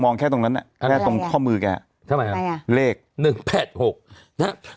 มองแค่ตรงนั้นแหละแค่ตรงข้อมือแกทำไมอะไรอ่ะเลขหนึ่งแพทย์หกนะฮะ